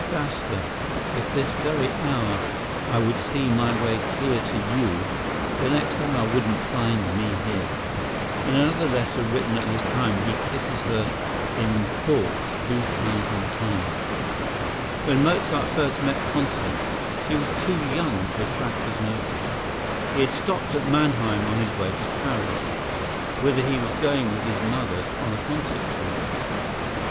Basta!—if this very hour I could see my way clear to you, the next hour wouldn't find me here." In another letter written at this time he kisses her "in thought two thousand times." When Mozart first met Constance, she was too young to attract his notice. He had stopped at Mannheim on his way to Paris, whither he was going with his mother on a concert tour.